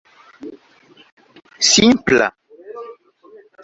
simpla